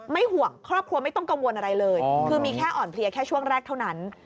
ห่วงครอบครัวไม่ต้องกังวลอะไรเลยคือมีแค่อ่อนเพลียแค่ช่วงแรกเท่านั้น